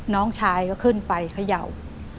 น้องชายเข้าไปขย่าว